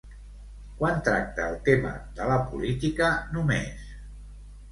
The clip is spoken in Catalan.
Quan tracta el tema de la política només?